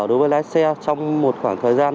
đối với lái xe trong một khoảng thời gian